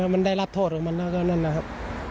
มันได้รับโทษของมันแล้วก็นั่นนะครับ